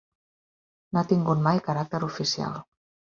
No ha tingut mai caràcter oficial.